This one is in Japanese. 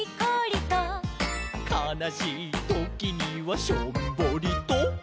「かなしいときにはしょんぼりと」